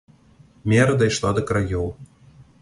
Мера дайшла да краёў.